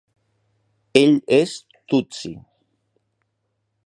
Ell és tutsi.